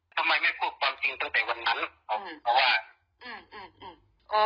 ทำไมไม่พูดความจริงตั้งแต่วันนั้นเพราะว่าอืมอืมอืมอ๋อ